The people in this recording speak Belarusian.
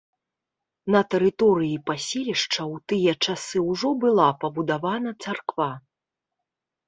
На тэрыторыі паселішча ў тыя часы ўжо была пабудавана царква.